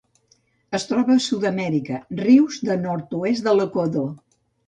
Es troba a Sud-amèrica: rius del nord-oest de l'Equador.